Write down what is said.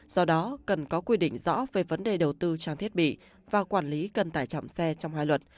do đó cần có quy định rõ về vấn đề đầu tư trang thiết bị và quản lý cân tải trọng xe trong hai luật